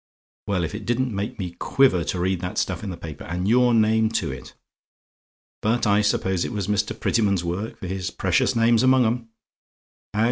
Well, if it didn't make me quiver to read that stuff in the paper, and your name to it! But I suppose it was Mr. Prettyman's work; for his precious name's among 'em.